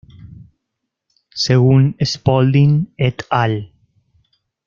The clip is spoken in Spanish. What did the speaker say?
Según Spaulding "et al.